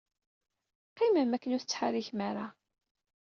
Qqimem akken ur ttḥerrikem ara.